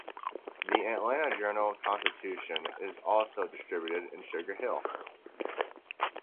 The Atlanta Journal-Constitution is also distributed in Sugar Hill.